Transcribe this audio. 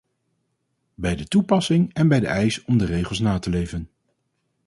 Bij de toepassing en bij de eis om de regels na te leven.